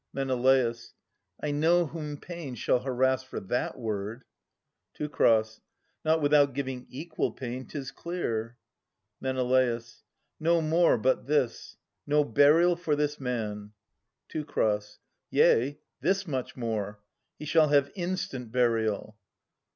Men. I know whom pain shall harass for that word. Teu. Not without giving equal pain, 'tis clear. Men. No more, but this. No burial for this man ! Teu. Yea, this much more. He shall have instant burial.